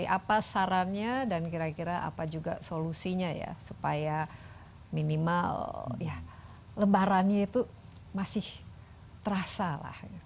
apa sarannya dan kira kira apa juga solusinya ya supaya minimal ya lebarannya itu masih terasa lah